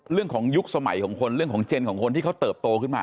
ยุคสมัยของคนเรื่องของเจนของคนที่เขาเติบโตขึ้นมา